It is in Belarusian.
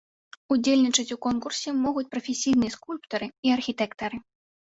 Удзельнічаць у конкурсе могуць прафесійныя скульптары і архітэктары.